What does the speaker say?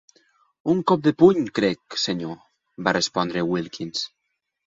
"Un cop de puny, crec, senyor", va respondre Wilkins.